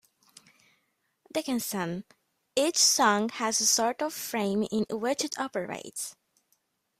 Dickinson: Each song has a sort of frame in which it operates.